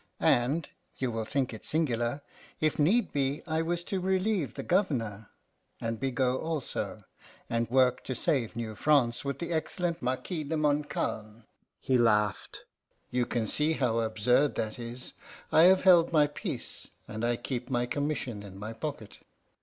And you will think it singular if need be, I was to relieve the Governor and Bigot also, and work to save New France with the excellent Marquis de Montcalm." He laughed. "You can see how absurd that is. I have held my peace, and I keep my commission in my pocket."